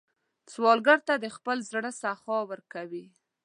سوالګر ته د خپل زړه سخا ورکوئ